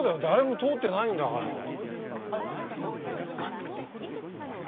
誰も通ってないんだから。